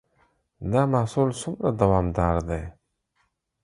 دا محصول څومره دوامدار دی؟